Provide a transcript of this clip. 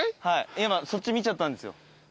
はい今そっち見ちゃったんですよ。